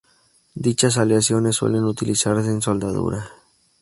Dichas aleaciones suelen utilizarse en soldadura.